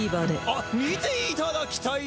あっ見ていただきたい！